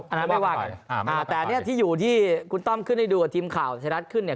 อันนั้นไม่ว่ากันแต่อันนี้ที่อยู่ที่คุณต้อมขึ้นให้ดูกับทีมข่าวไทยรัฐขึ้นเนี่ย